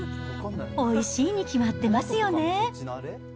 おいしいに決まってますよね。